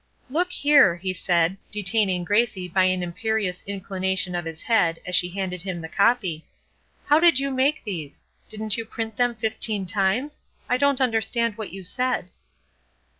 "Look here!" he said, detaining Gracie by an imperious inclination of his head, as she handed him the copy; "how did you make these? didn't you print them fifteen times? I didn't understand what you said."